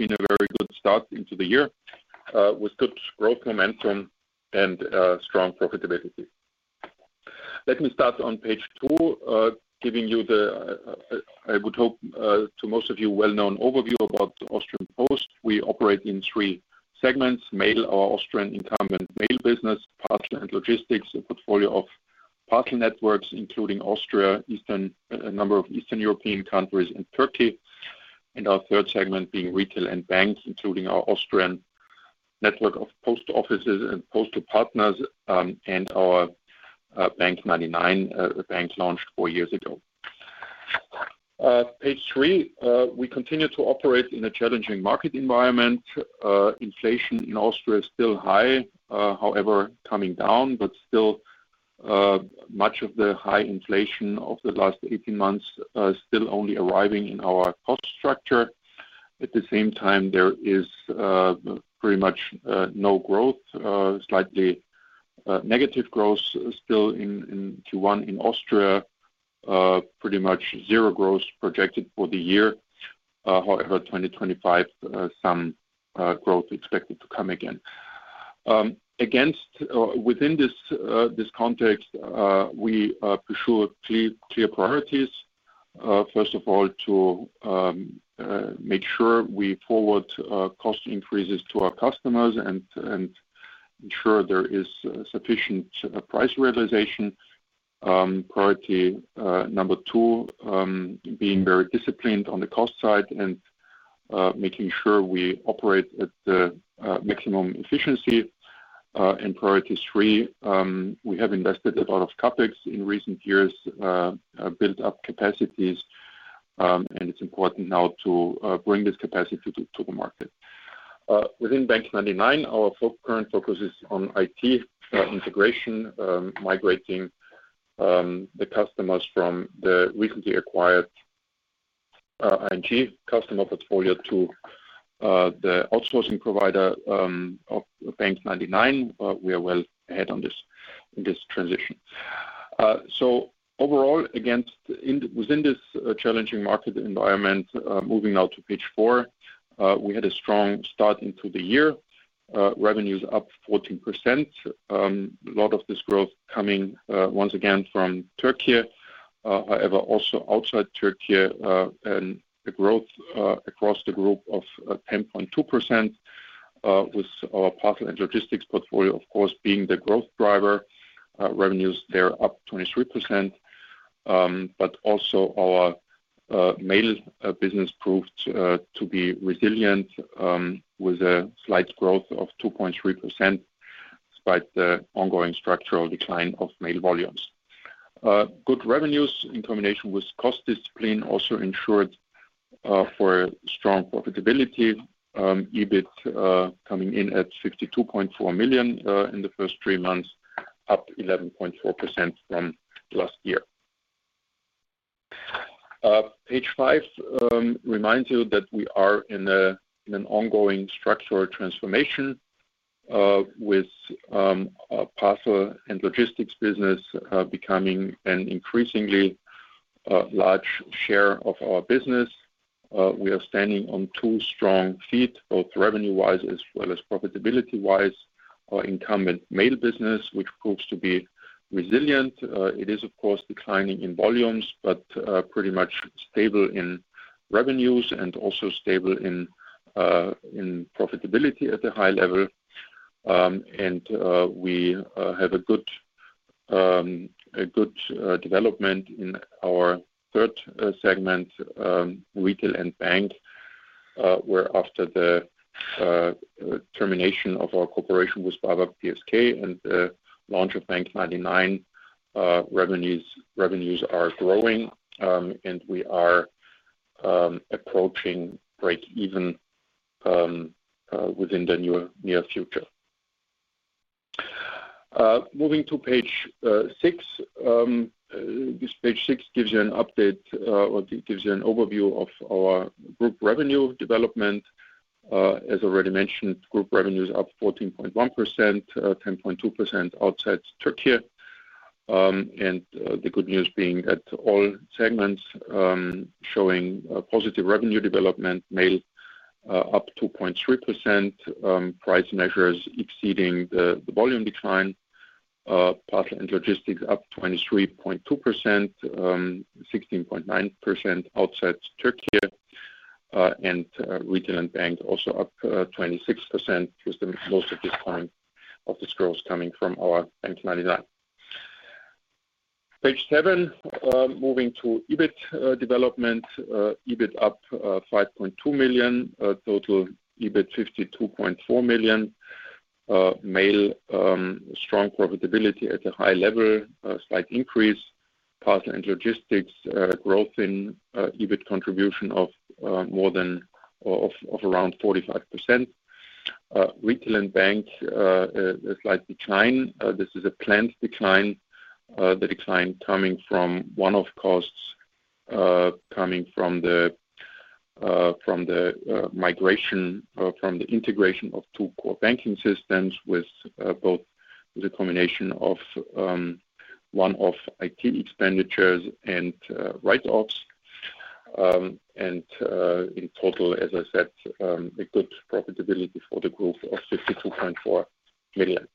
In a very good start into the year, with good growth momentum and strong profitability. Let me start on page two, giving you the, I would hope, to most of you, well-known overview about Austrian Post. We operate in three segments: mail, our Austrian incumbent mail business, parcel and logistics, a portfolio of parcel networks, including Austria, Eastern, a number of Eastern European countries, and Turkey, and our third segment being retail and bank, including our Austrian network of post offices and postal partners, and our bank99, a bank launched four years ago. Page three, we continue to operate in a challenging market environment. Inflation in Austria is still high, however, coming down, but still, much of the high inflation of the last 18 months still only arriving in our cost structure. At the same time, there is, pretty much, no growth, slightly negative growth, still in Q1 in Austria, pretty much zero growth projected for the year. However, 2025, some growth expected to come again. Against, within this context, we pursue clear priorities. First of all, to make sure we forward cost increases to our customers and ensure there is sufficient price realization. Priority number two, being very disciplined on the cost side and making sure we operate at the maximum efficiency. And priority three, we have invested a lot of CapEx in recent years, built up capacities, and it's important now to bring this capacity to the market. Within bank99, our current focus is on IT integration, migrating the customers from the recently acquired ING customer portfolio to the outsourcing provider of bank99. We are well ahead on this in this transition. So overall, in this challenging market environment, moving now to page four, we had a strong start into the year. Revenues up 14%. A lot of this growth coming, once again from Turkey. However, also outside Turkey, a growth across the group of 10.2%, with our parcel and logistics portfolio, of course, being the growth driver. Revenues there up 23%. But also our mail business proved to be resilient, with a slight growth of 2.3% despite the ongoing structural decline of mail volumes. Good revenues in combination with cost discipline also ensured for strong profitability. EBIT coming in at 52.4 million in the first three months, up 11.4% from last year. Page five reminds you that we are in an ongoing structural transformation, with parcel and logistics business becoming an increasingly large share of our business. We are standing on two strong feet, both revenue-wise as well as profitability-wise. Our incumbent mail business, which proves to be resilient, it is, of course, declining in volumes, but pretty much stable in revenues and also stable in profitability at a high level. We have a good development in our third segment, retail and bank, where after the termination of our cooperation with BAWAG P.S.K. and the launch of bank99, revenues are growing, and we are approaching break-even within the near future. Moving to page six, this page six gives you an update, or gives you an overview of our group revenue development. As already mentioned, group revenues up 14.1%, 10.2% outside Turkey. The good news being that all segments showing positive revenue development, mail up 2.3%, price measures exceeding the volume decline. Parcel and logistics up 23.2%, 16.9% outside Turkey. And, retail and bank also up 26% with the most of this growth coming from our bank99. Page 7, moving to EBIT development. EBIT up 5.2 million, total EBIT 52.4 million. Mail, strong profitability at a high level, slight increase. Parcel and logistics, growth in EBIT contribution of more than around 45%. Retail and bank, a slight decline. This is a planned decline, the decline coming from one-off costs coming from the migration from the integration of two core banking systems with a combination of one-off IT expenditures and write-offs. And, in total, as I said, a good profitability for the group of 52.4 million.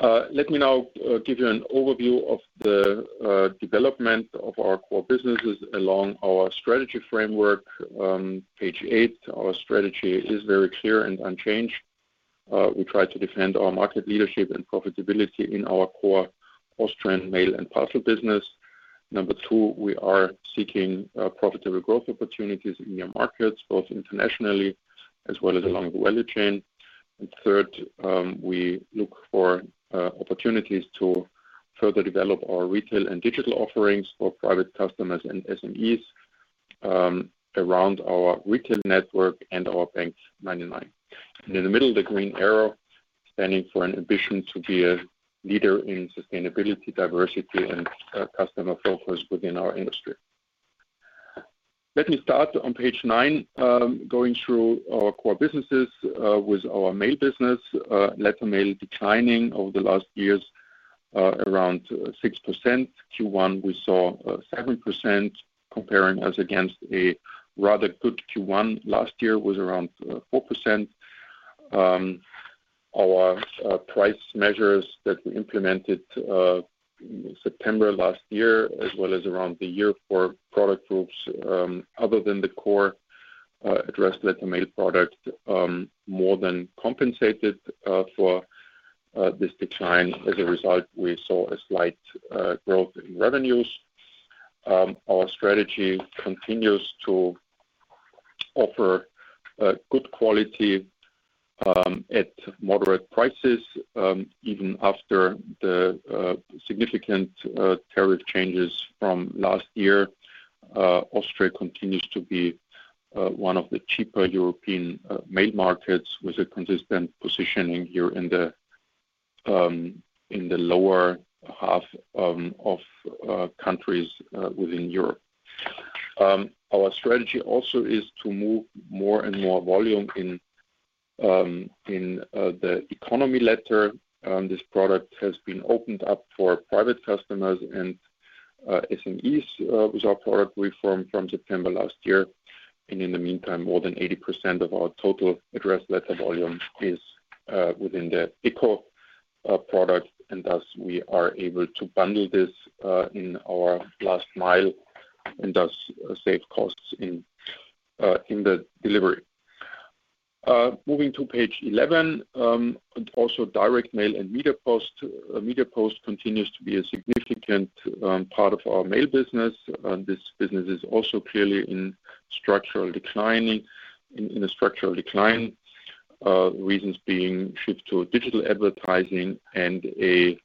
Let me now give you an overview of the development of our core businesses along our strategy framework. Page 8, our strategy is very clear and unchanged. We try to defend our market leadership and profitability in our core Austrian mail and parcel business. Number 2, we are seeking profitable growth opportunities in near markets, both internationally as well as along the value chain. And third, we look for opportunities to further develop our retail and digital offerings for private customers and SMEs, around our retail network and our bank99. And in the middle, the green arrow standing for an ambition to be a leader in sustainability, diversity, and customer focus within our industry. Let me start on Page 9, going through our core businesses, with our mail business, letter mail declining over the last years, around 6%. Q1, we saw 7% comparing us against a rather good Q1. Last year was around 4%. Our price measures that we implemented in September last year, as well as around the year for product groups other than the core addressed letter mail product, more than compensated for this decline. As a result, we saw a slight growth in revenues. Our strategy continues to offer good quality at moderate prices, even after the significant tariff changes from last year. Austria continues to be one of the cheaper European mail markets with a consistent positioning here in the lower half of countries within Europe. Our strategy also is to move more and more volume in the economy letter. This product has been opened up for private customers and SMEs with our product reform from September last year. And in the meantime, more than 80% of our total addressed letter volume is within the ECO product. Thus, we are able to bundle this in our last mile and thus save costs in the delivery. Moving to page 11, also Direct Mail and Media Post, Media Post continues to be a significant part of our mail business. This business is also clearly in a structural decline, reasons being shift to digital advertising and a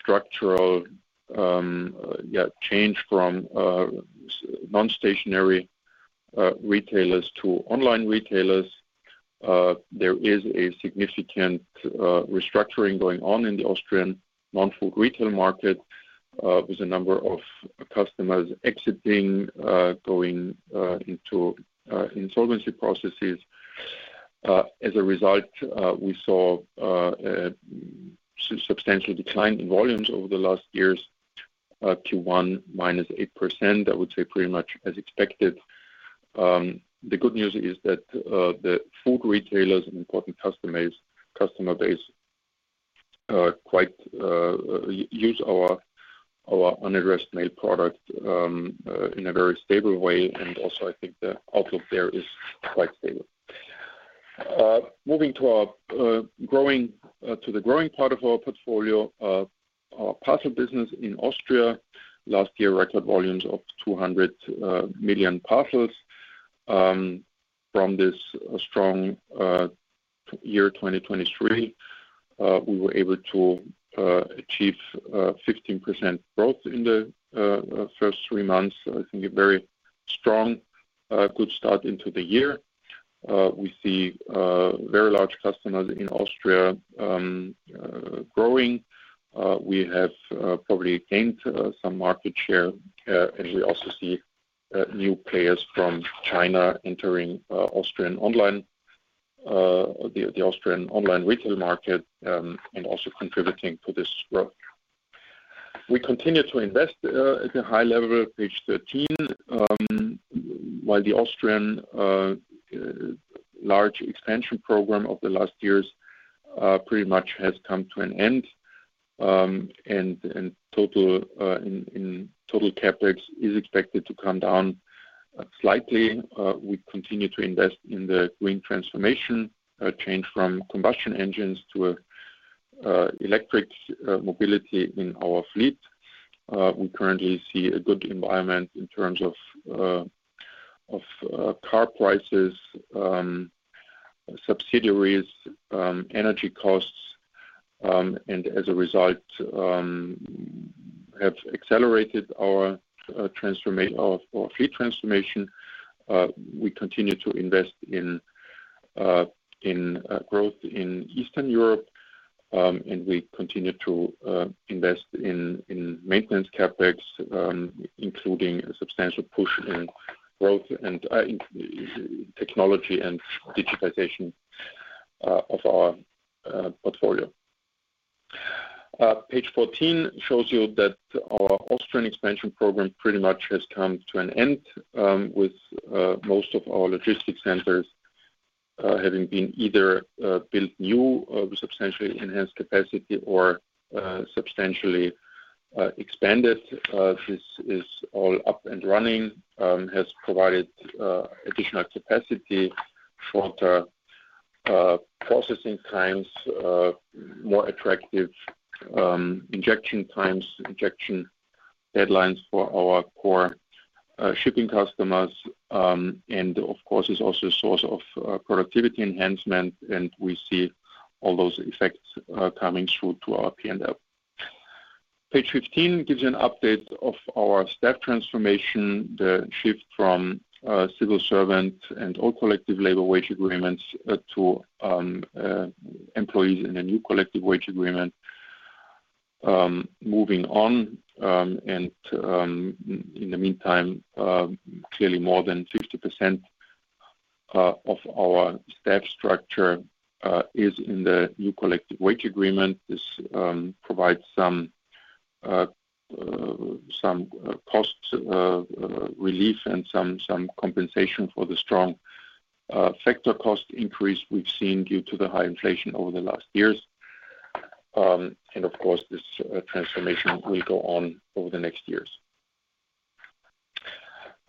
structural yeah change from non-stationary retailers to online retailers. There is a significant restructuring going on in the Austrian non-food retail market, with a number of customers exiting, going into insolvency processes. As a result, we saw a substantial decline in volumes over the last years, Q1 -8%. That would say pretty much as expected. The good news is that the food retailers and important customer base quite use our unaddressed mail product in a very stable way. And also, I think the outlook there is quite stable. Moving to the growing part of our portfolio, our parcel business in Austria last year, record volumes of 200 million parcels. From this strong year 2023, we were able to achieve 15% growth in the first three months. I think a very strong, good start into the year. We see very large customers in Austria growing. We have probably gained some market share, and we also see new players from China entering the Austrian online retail market, and also contributing to this growth. We continue to invest at a high level, page 13, while the Austrian large expansion program of the last years pretty much has come to an end. And total CapEx is expected to come down slightly. We continue to invest in the green transformation, change from combustion engines to electric mobility in our fleet. We currently see a good environment in terms of car prices, subsidies, energy costs, and as a result, have accelerated our fleet transformation. We continue to invest in growth in Eastern Europe, and we continue to invest in maintenance CapEx, including a substantial push in growth and in technology and digitization of our portfolio. Page 14 shows you that our Austrian expansion program pretty much has come to an end, with most of our logistics centers having been either built new with substantially enhanced capacity or substantially expanded. This is all up and running, has provided additional capacity, shorter processing times, more attractive injection times, injection deadlines for our core shipping customers, and of course, is also a source of productivity enhancement. We see all those effects coming through to our P&L. Page 15 gives you an update of our staff transformation, the shift from civil servant and old collective labor wage agreements to employees in a new collective wage agreement. Moving on, in the meantime, clearly more than 50% of our staff structure is in the new collective wage agreement. This provides some cost relief and some compensation for the strong factor cost increase we've seen due to the high inflation over the last years. Of course, this transformation will go on over the next years.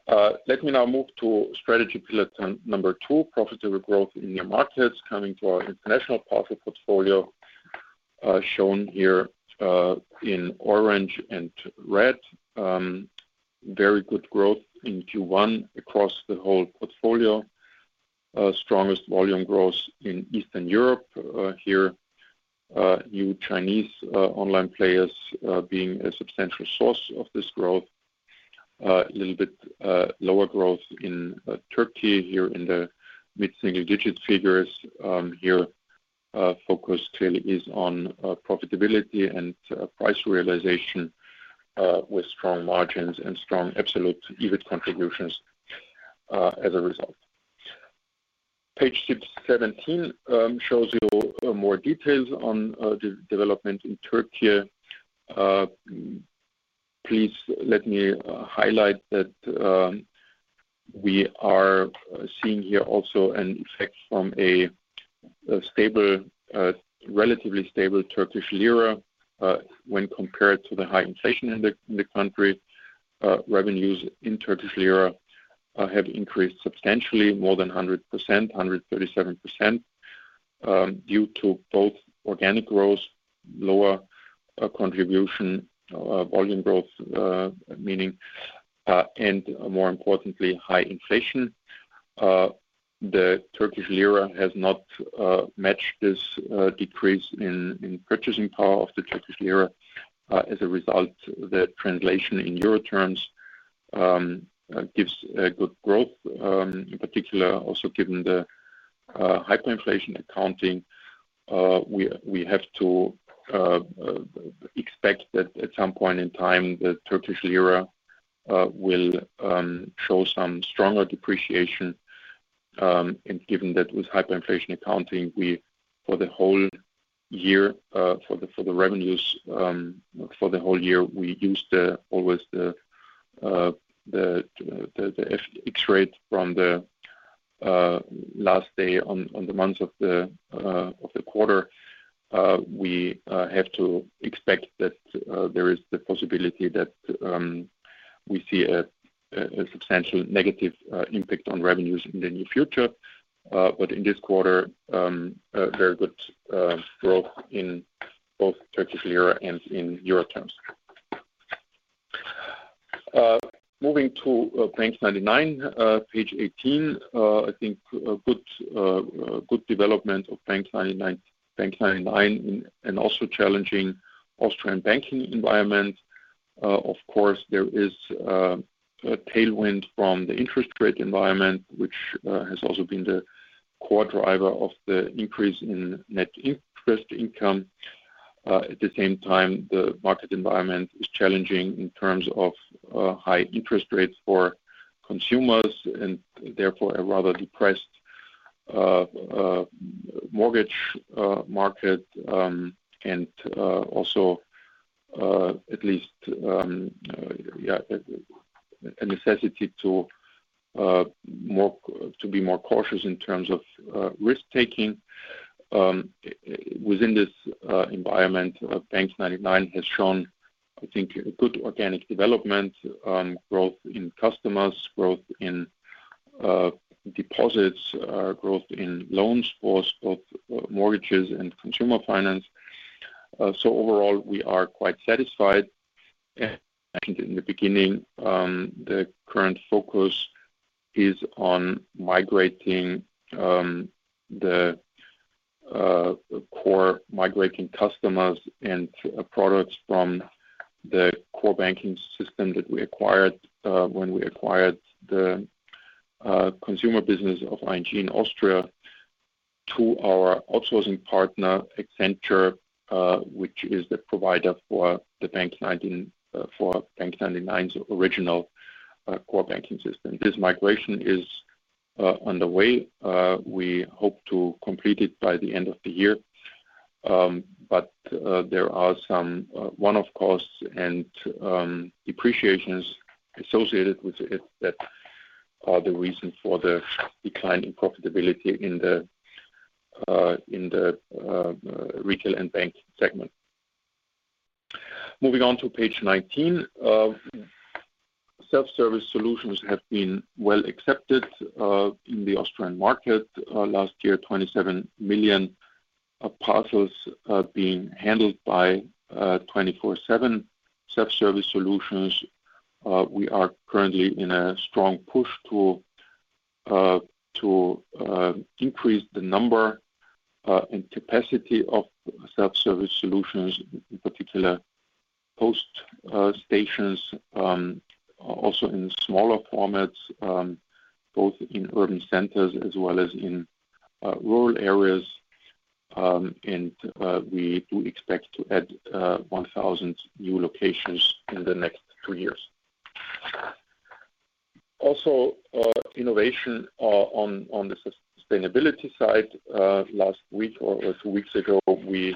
Let me now move to strategy pillar number 2, profitable growth in near markets, coming to our international parcel portfolio, shown here in orange and red. Very good growth in Q1 across the whole portfolio. strongest volume growth in Eastern Europe; here, new Chinese online players being a substantial source of this growth. A little bit lower growth in Turkey here in the mid-single-digit figures. Here, focus clearly is on profitability and price realization, with strong margins and strong absolute EBIT contributions, as a result. Page 17 shows you more details on the development in Turkey. Please let me highlight that we are seeing here also an effect from a stable, relatively stable Turkish lira, when compared to the high inflation in the country. Revenues in Turkish lira have increased substantially, more than 100%, 137%, due to both organic growth, lower contribution volume growth, meaning, and more importantly, high inflation. The Turkish lira has not matched this decrease in purchasing power of the Turkish lira. As a result, the translation in euro terms gives a good growth, in particular, also given the hyperinflation accounting. We have to expect that at some point in time, the Turkish lira will show some stronger depreciation. And given that with hyperinflation accounting, for the whole year, for the revenues, we used always the FX rate from the last day of the months of the quarter. We have to expect that there is the possibility that we see a substantial negative impact on revenues in the near future. But in this quarter, very good growth in both Turkish lira and in euro terms. Moving to bank99, page 18, I think good development of bank99 in an also challenging Austrian banking environment. Of course, there is a tailwind from the interest rate environment, which has also been the core driver of the increase in net interest income. At the same time, the market environment is challenging in terms of high interest rates for consumers and therefore a rather depressed mortgage market, and also, at least, yeah, a necessity to be more cautious in terms of risk-taking. Within this environment, bank99 has shown, I think, a good organic development, growth in customers, growth in deposits, growth in loans for both mortgages and consumer finance. So overall, we are quite satisfied. As mentioned in the beginning, the current focus is on migrating the core migrating customers and products from the core banking system that we acquired when we acquired the consumer business of ING in Austria to our outsourcing partner, Accenture, which is the provider for bank99's original core banking system. This migration is underway. We hope to complete it by the end of the year. There are some one-off costs and depreciations associated with it that are the reason for the decline in profitability in the retail and bank segment. Moving on to page 19, self-service solutions have been well accepted in the Austrian market. Last year, 27 million parcels being handled by 24/7 self-service solutions. We are currently in a strong push to increase the number and capacity of self-service solutions, in particular Post Stations, also in smaller formats, both in urban centers as well as in rural areas. We do expect to add 1,000 new locations in the next two years. Also, innovation on the sustainability side, last week or two weeks ago, we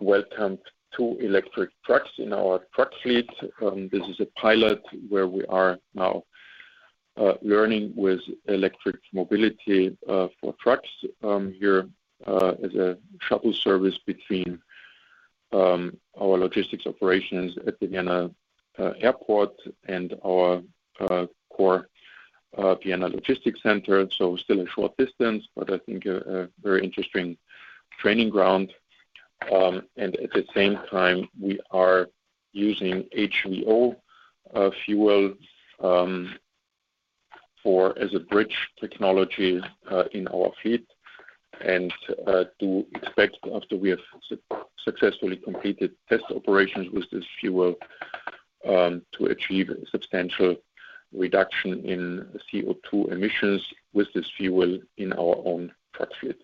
welcomed two electric trucks in our truck fleet. This is a pilot where we are now learning with electric mobility for trucks here as a shuttle service between our logistics operations at the Vienna Airport and our core Vienna Logistics Center. So still a short distance, but I think a very interesting training ground. At the same time, we are using HVO fuel as a bridge technology in our fleet. Do expect after we have successfully completed test operations with this fuel to achieve a substantial reduction in CO2 emissions with this fuel in our own truck fleet.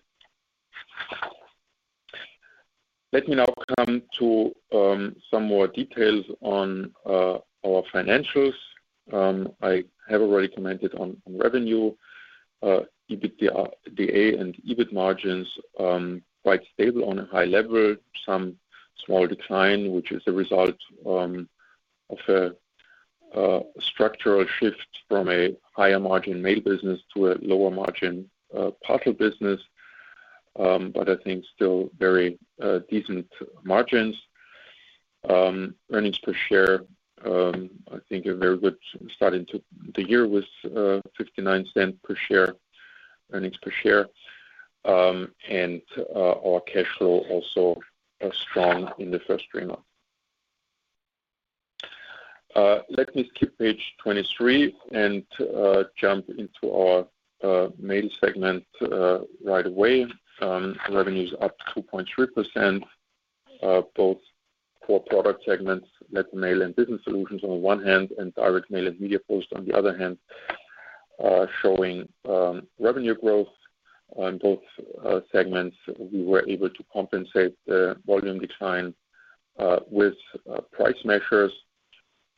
Let me now come to some more details on our financials. I have already commented on revenue, EBITDA and EBIT margins, quite stable on a high level, some small decline, which is a result of a structural shift from a higher margin mail business to a lower margin parcel business. But I think still very decent margins. Earnings per share, I think a very good start into the year with 0.59 per share, earnings per share. And our cash flow also are strong in the first three months. Let me skip page 23 and jump into our mail segment right away. Revenues up 2.3%, both core product segments, letter mail and Business Solutions on the one hand, and Direct Mail and Media Post on the other hand, showing revenue growth. Both segments, we were able to compensate the volume decline with price measures.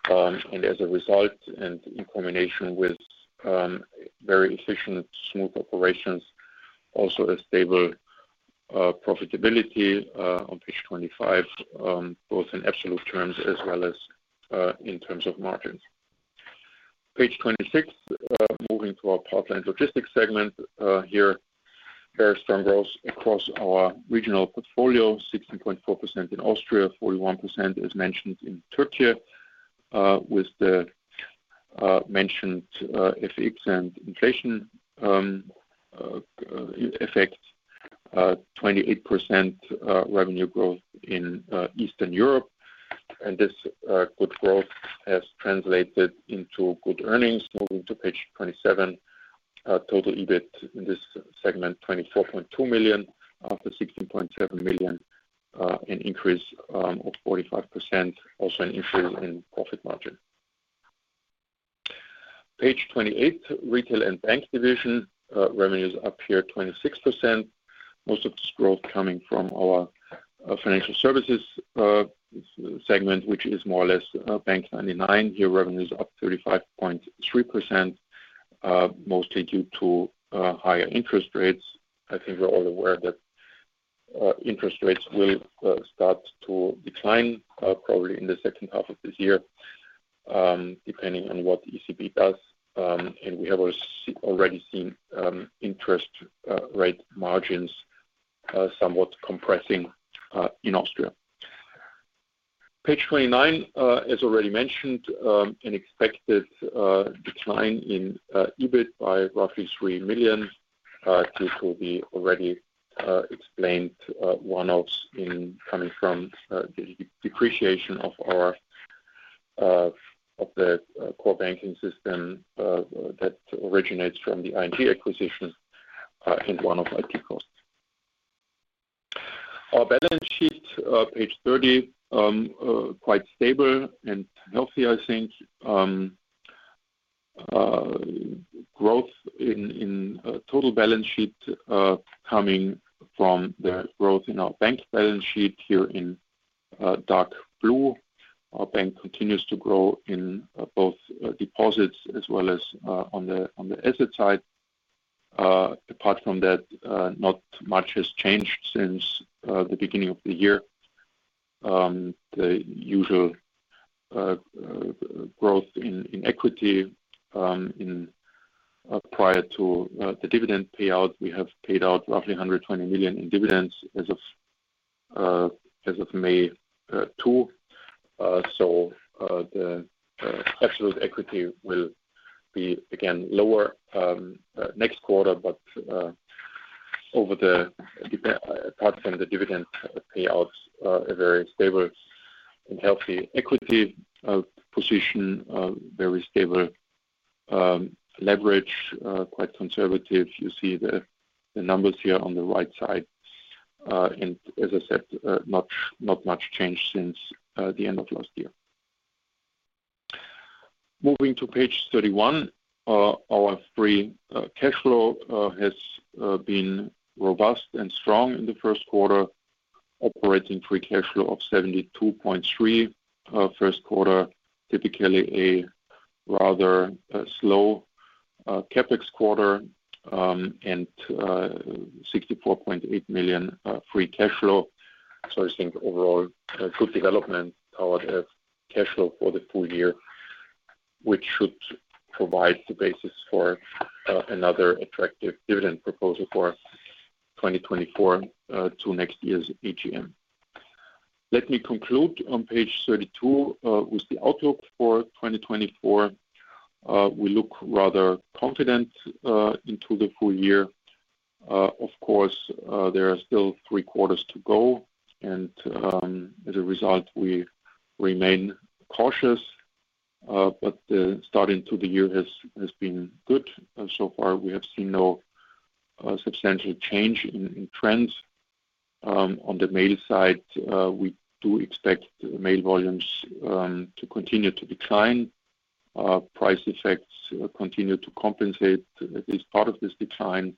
And as a result, and in combination with very efficient, smooth operations, also a stable profitability on page 25, both in absolute terms as well as in terms of margins. Page 26. Moving to our parcel and logistics segment, here very strong growth across our regional portfolio, 16.4% in Austria, 41% as mentioned in Turkey, with the mentioned FX and inflation effect, 28% revenue growth in Eastern Europe. And this good growth has translated into good earnings. Moving to page 27, total EBIT in this segment, 24.2 million after 16.7 million, an increase of 45%, also an increase in profit margin. Page 28, retail and bank division, revenues up here 26%. Most of this growth coming from our financial services segment, which is more or less bank99. Here, revenues up 35.3%, mostly due to higher interest rates. I think we're all aware that interest rates will start to decline, probably in the second half of this year, depending on what the ECB does. We have already seen interest rate margins somewhat compressing in Austria. Page 29, as already mentioned, an expected decline in EBIT by roughly 3 million, due to the already explained one-offs coming from the depreciation of our core banking system that originates from the ING acquisition, and one-off IT costs. Our balance sheet, page 30, quite stable and healthy, I think. Growth in total balance sheet coming from the growth in our bank balance sheet here in dark blue. Our bank continues to grow in both deposits as well as on the asset side. Apart from that, not much has changed since the beginning of the year. The usual growth in equity prior to the dividend payout, we have paid out roughly 120 million in dividends as of May 2. So the absolute equity will be again lower next quarter, but over the long term apart from the dividend payouts, a very stable and healthy equity position, very stable leverage, quite conservative. You see the numbers here on the right side. As I said, not much changed since the end of last year. Moving to page 31, our free cash flow has been robust and strong in the first quarter, operating free cash flow of 72.3 million first quarter, typically a rather slow CapEx quarter, and 64.8 million free cash flow. So I think overall good development toward a cash flow for the full year, which should provide the basis for another attractive dividend proposal for 2024 to next year's AGM. Let me conclude on page 32 with the outlook for 2024. We look rather confident into the full year. Of course, there are still three quarters to go. As a result, we remain cautious. The start into the year has been good. So far, we have seen no substantial change in trends. On the mail side, we do expect mail volumes to continue to decline. Price effects continue to compensate at least part of this decline.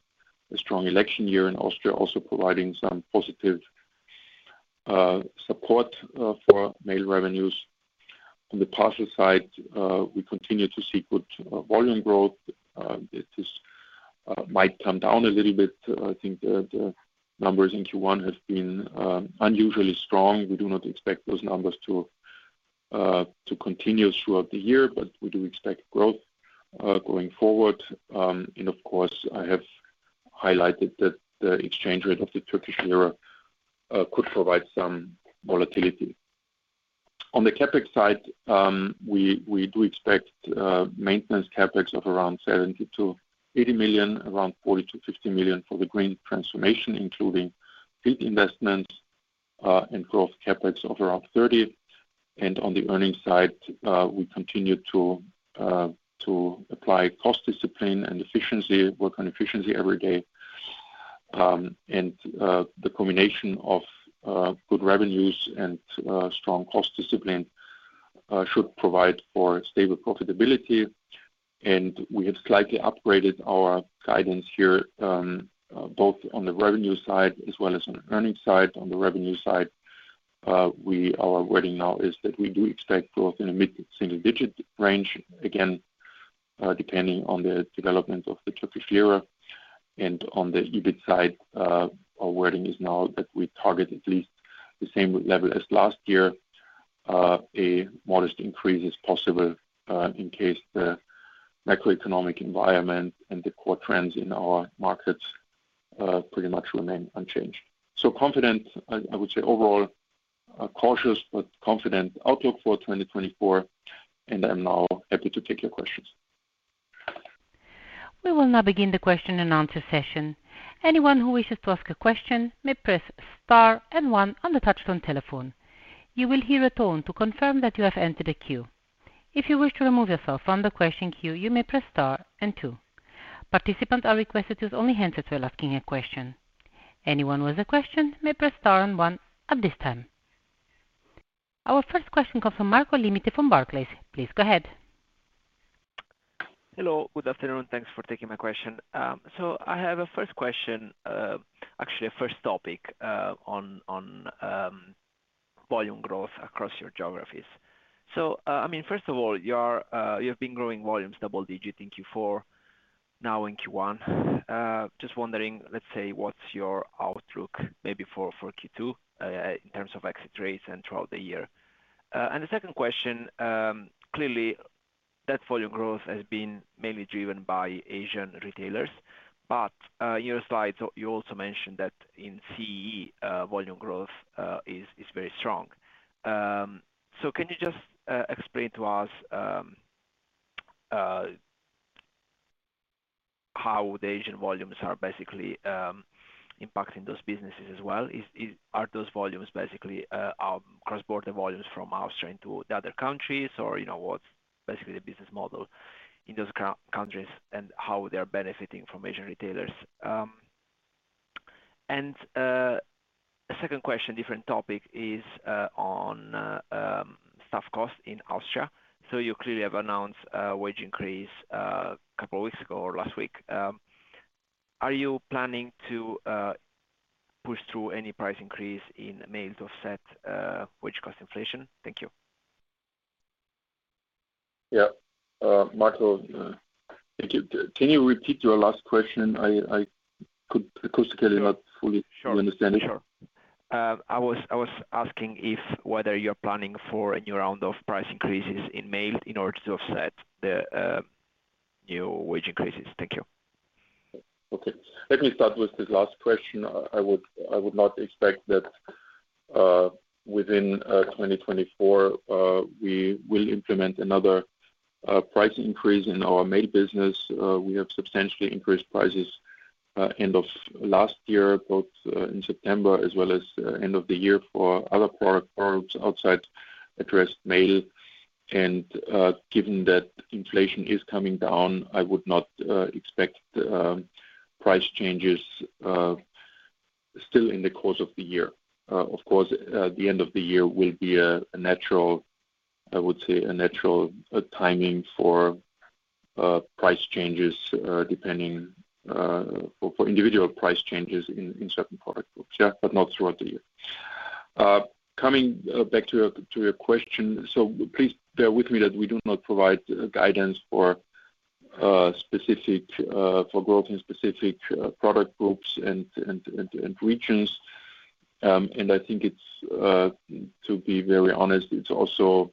A strong election year in Austria also providing some positive support for mail revenues. On the parcel side, we continue to see good volume growth. It might come down a little bit. I think the numbers in Q1 have been unusually strong. We do not expect those numbers to continue throughout the year, but we do expect growth going forward. And of course, I have highlighted that the exchange rate of the Turkish lira could provide some volatility. On the CapEx side, we do expect maintenance CapEx of around 70 million-80 million, around 40 million-50 million for the green transformation, including field investments, and growth CapEx of around 30 million. And on the earnings side, we continue to apply cost discipline and efficiency, work on efficiency every day. And the combination of good revenues and strong cost discipline should provide for stable profitability. And we have slightly upgraded our guidance here, both on the revenue side as well as on the earnings side. On the revenue side, our wording now is that we do expect growth in a mid-single digit range, again, depending on the development of the Turkish lira. And on the EBIT side, our wording is now that we target at least the same level as last year, a modest increase is possible, in case the macroeconomic environment and the core trends in our markets pretty much remain unchanged. So confident, I would say overall, cautious, but confident outlook for 2024. And I'm now happy to take your questions. We will now begin the question-and-answer session. Anyone who wishes to ask a question may press star and one on the touch-tone telephone. You will hear a tone to confirm that you have entered a queue. If you wish to remove yourself from the question queue, you may press star and two. Participants are requested to use only handsets if they're asking a question. Anyone who has a question may press star and one at this time. Our first question comes from Marco Limite from Barclays. Please go ahead. Hello. Good afternoon. Thanks for taking my question. So I have a first question, actually a first topic, on volume growth across your geographies. So, I mean, first of all, you are, you have been growing volumes double-digit in Q4, now in Q1. Just wondering, let's say, what's your outlook maybe for Q2, in terms of exit rates and throughout the year. And the second question, clearly, that volume growth has been mainly driven by Asian retailers. But, in your slides, you also mentioned that in CEE, volume growth is very strong. So can you just explain to us how the Asian volumes are basically impacting those businesses as well? Are those volumes basically cross-border volumes from Austria into the other countries? Or, you know, what's basically the business model in those countries and how they're benefiting from Asian retailers? And a second question, different topic is on staff cost in Austria. So you clearly have announced wage increase a couple of weeks ago or last week. Are you planning to push through any price increase in mail to offset wage cost inflation? Thank you. Yeah. Marco, thank you. Can you repeat your last question? I could acoustically not fully understand it. Sure. Sure. I was asking whether you're planning for a new round of price increases in mail in order to offset the new wage increases. Thank you. Okay. Let me start with this last question. I would not expect that, within 2024, we will implement another price increase in our mail business. We have substantially increased prices end of last year, both in September as well as end of the year for other products outside addressed mail. Given that inflation is coming down, I would not expect price changes still in the course of the year. Of course, the end of the year will be a natural, I would say, a natural timing for price changes, depending for individual price changes in certain product groups, yeah, but not throughout the year. Coming back to your question, so please bear with me that we do not provide guidance for specific growth in specific product groups and regions. I think it's, to be very honest, it's also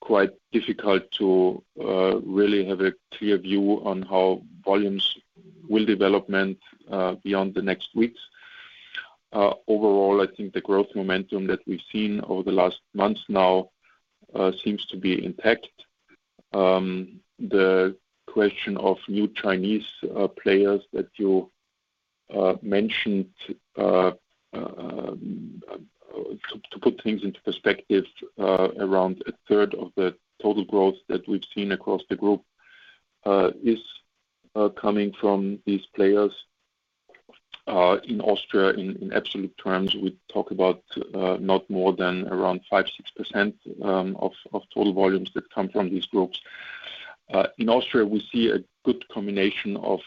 quite difficult to really have a clear view on how volumes will develop beyond the next weeks. Overall, I think the growth momentum that we've seen over the last months now seems to be intact. The question of new Chinese players that you mentioned, to put things into perspective, around a third of the total growth that we've seen across the group is coming from these players. In Austria, in absolute terms, we talk about not more than around 5-6% of total volumes that come from these groups. In Austria, we see a good combination of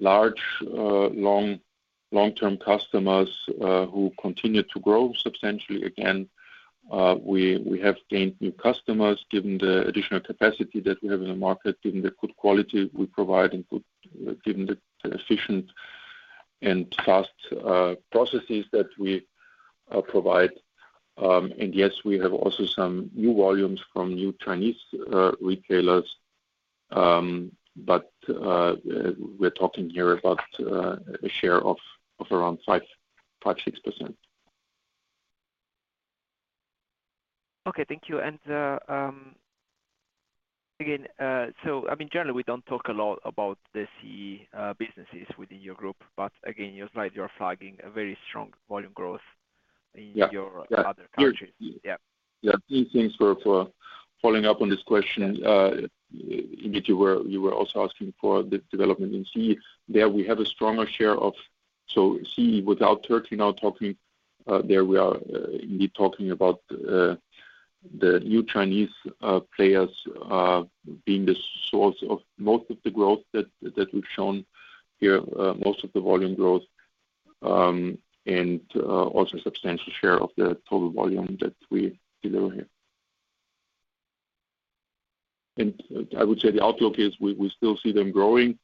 large long-term customers who continue to grow substantially again. We, we have gained new customers given the additional capacity that we have in the market, given the good quality we provide and given the efficient and fast processes that we provide. And yes, we have also some new volumes from new Chinese retailers. But we're talking here about a share of around 5%-6%. Okay. Thank you. Again, so, I mean, generally, we don't talk a lot about the CEE businesses within your group. But again, your slide, you are flagging a very strong volume growth in your other countries. Yeah. Yeah. Thanks for following up on this question. Indeed, you were also asking for the development in CEE. There, we have a stronger share of so CEE without Turkey. Now talking, there, we are indeed talking about the new Chinese players being the source of most of the growth that we've shown here, most of the volume growth, and also a substantial share of the total volume that we deliver here. And I would say the outlook is we still see them growing.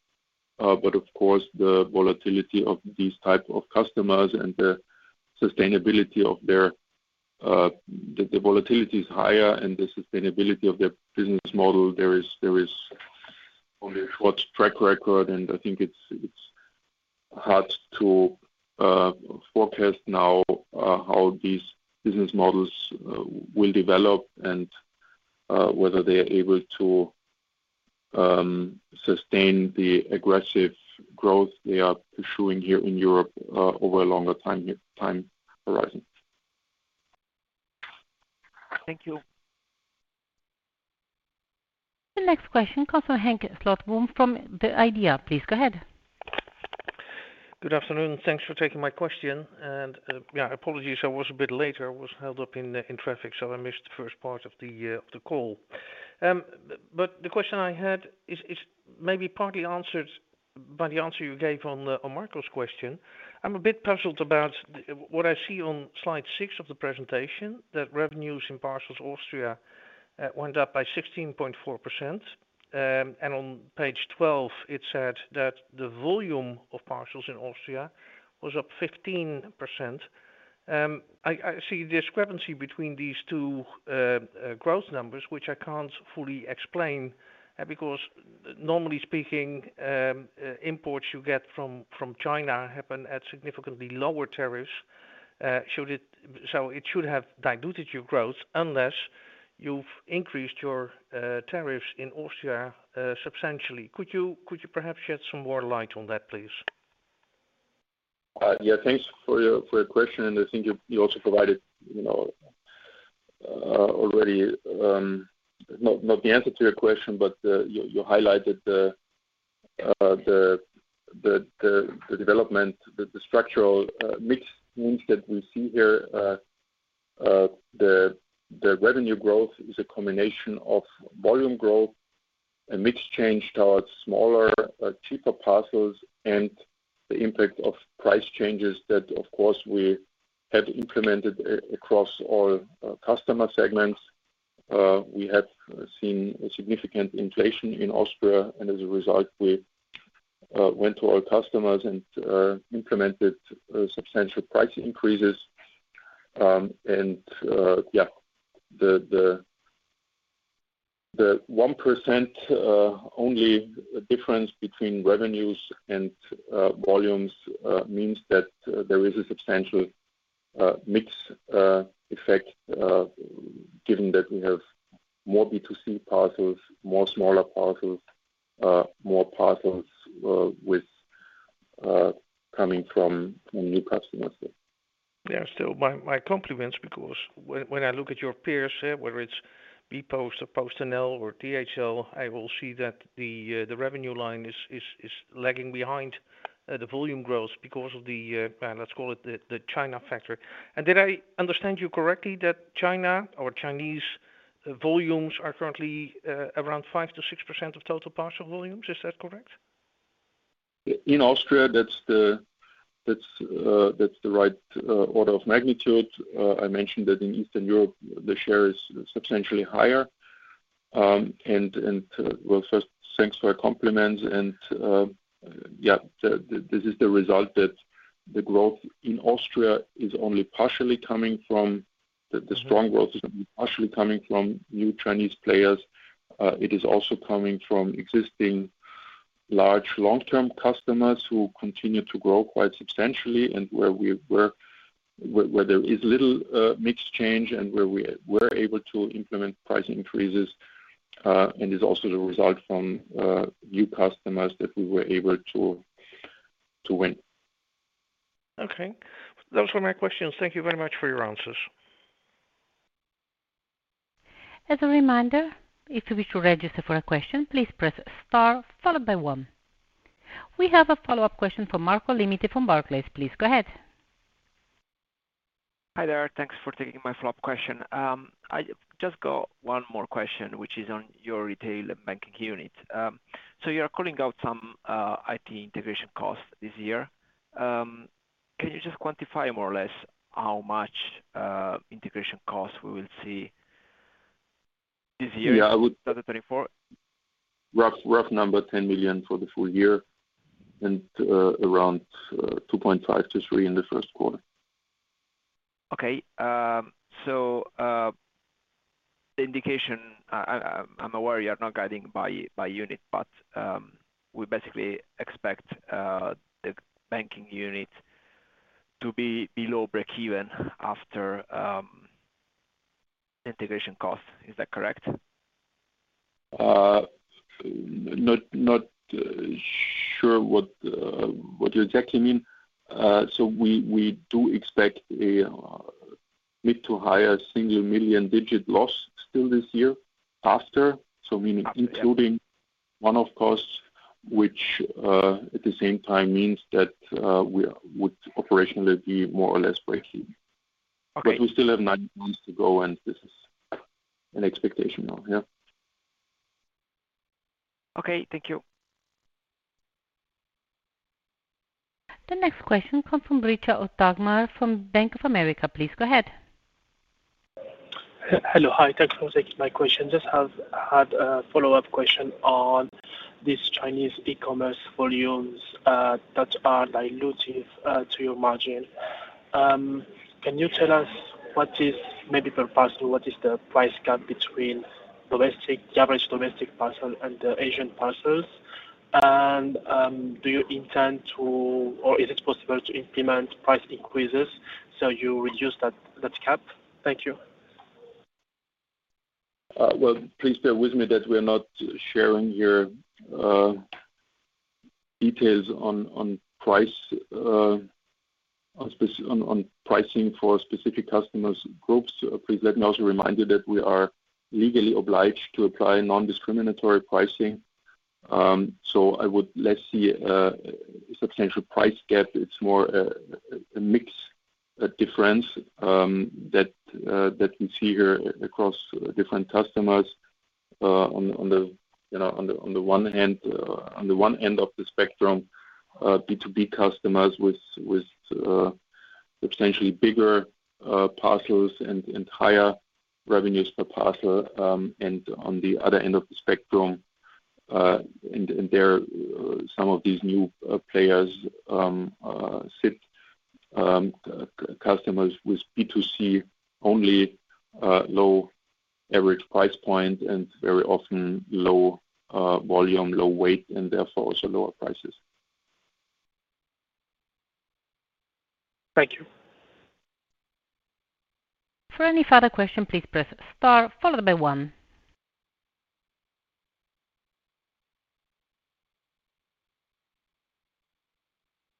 But of course, the volatility of these type of customers is higher, and the sustainability of their business model. There is only a short track record. And I think it's hard to forecast now how these business models will develop and whether they are able to sustain the aggressive growth they are pursuing here in Europe over a longer time horizon. Thank you. The next question, Henk Slotboom from the IDEA!. Please go ahead. Good afternoon. Thanks for taking my question. And, yeah, apologies, I was a bit later. I was held up in traffic, so I missed the first part of the call. But the question I had is maybe partly answered by the answer you gave on Marco's question. I'm a bit puzzled about what I see on slide 6 of the presentation, that revenues in parcels Austria went up by 16.4%. And on page 12, it said that the volume of parcels in Austria was up 15%. I see a discrepancy between these two growth numbers, which I can't fully explain, because normally speaking, imports you get from China happen at significantly lower tariffs, so it should have diluted your growth unless you've increased your tariffs in Austria substantially. Could you perhaps shed some more light on that, please? Yeah. Thanks for your question. And I think you also provided, you know, already not the answer to your question, but you highlighted the development, the structural mix means that we see here. The revenue growth is a combination of volume growth, a mix change towards smaller, cheaper parcels, and the impact of price changes that, of course, we have implemented across all customer segments. We have seen a significant inflation in Austria. And as a result, we went to all customers and implemented substantial price increases. And yeah, the 1% only difference between revenues and volumes means that there is a substantial mix effect, given that we have more B2C parcels, more smaller parcels, more parcels coming from new customers there. Yeah. So my compliments because when I look at your peers, whether it's bpost or PostNL or DHL, I will see that the revenue line is lagging behind the volume growth because of the, let's call it the China factor. And did I understand you correctly that Chinese volumes are currently around 5%-6% of total parcel volumes? Is that correct? In Austria, that's the right order of magnitude. I mentioned that in Eastern Europe, the share is substantially higher. And well, first, thanks for your compliments. And yeah, this is the result that the growth in Austria is only partially coming from the strong growth is only partially coming from new Chinese players. It is also coming from existing large, long-term customers who continue to grow quite substantially and where we were, where there is little mix change and where we were able to implement price increases. It's also the result from new customers that we were able to to win. Okay. Those were my questions. Thank you very much for your answers. As a reminder, if you wish to register for a question, please press star followed by one. We have a follow-up question for Marco Limite from Barclays. Please go ahead. Hi there. Thanks for taking my follow-up question. I just got one more question, which is on your retail and banking unit. So you are calling out some IT integration costs this year. Can you just quantify more or less how much integration costs we will see this year? Yeah. I would 2024? Rough number, 10 million for the full year and around 2.5-3 in the first quarter. Okay. The indication, I'm aware you are not guiding by unit, but we basically expect the banking unit to be below break-even after integration costs. Is that correct? Not sure what you exactly mean. We do expect a mid- to higher single million-digit loss still this year after, meaning including one-off costs, which at the same time means that we would operationally be more or less break-even. Okay. But we still have 90 months to go, and this is an expectation now, yeah. Okay. Thank you. The next question comes from Brita Ottagmar from Bank of America. Please go ahead. Hello. Hi. Thanks for taking my question. Just had a follow-up question on these Chinese e-commerce volumes that are diluted to your margin. Can you tell us what is maybe per parcel what is the price gap between domestic average domestic parcel and the Asian parcels? And do you intend to or is it possible to implement price increases, so you reduce that gap? Thank you. Well, please bear with me that we are not sharing our details on pricing for specific customer groups. Please let me also remind you that we are legally obliged to apply nondiscriminatory pricing. So I would see less a substantial price gap. It's more a mix, a difference that we see here across different customers, on the you know, on the one hand, on the one end of the spectrum, B2B customers with substantially bigger parcels and higher revenues per parcel. And on the other end of the spectrum, and there some of these new players, customers with B2C only, low average price point and very often low volume, low weight, and therefore also lower prices. Thank you. For any further question, please press star followed by one.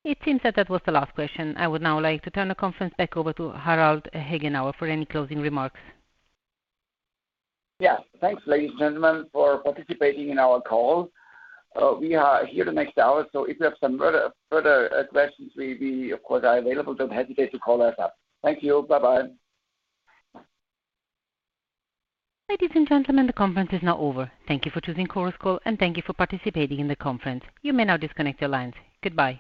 It seems that was the last question. I would now like to turn the conference back over to Harald Hagenauer for any closing remarks. Yeah. Thanks, ladies and gentlemen, for participating in our call. We are here the next hour. So if you have some further questions, we of course are available. Don't hesitate to call us up. Thank you. Bye-bye. Ladies and gentlemen, the conference is now over. Thank you for choosing Chorus Call, and thank you for participating in the conference. You may now disconnect your lines. Goodbye.